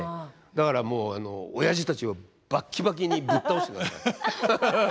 だからおやじたちをバッキバキにぶっ倒してください。